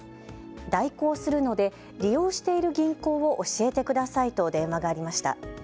代行するので利用している銀行を教えてくださいと電話がありました。